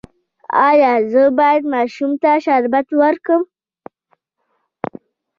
ایا زه باید ماشوم ته شربت ورکړم؟